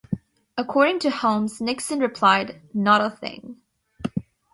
According to Helms, Nixon replied, Not a thing.